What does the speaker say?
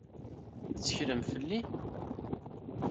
Tetteklem fell-i?